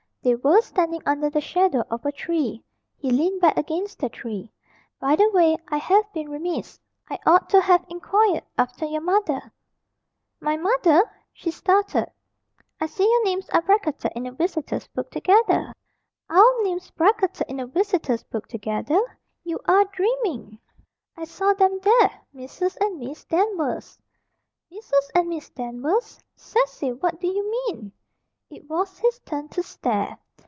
They were standing under the shadow of a tree. He leaned back against the tree. "By the way, I have been remiss. I ought to have inquired after your mother." "My mother?" She started. "I see your names are bracketed in the visitors' book together." "Our names bracketed in the visitors book together! You are dreaming!" "I saw them there Mrs. and Miss Danvers." "Mrs. and Miss Danvers! Cecil! what do you mean?" It was his turn to stare.